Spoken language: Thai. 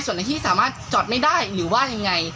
ส่วนในที่สามารถจอดไม่ได้หรือว่ายังไง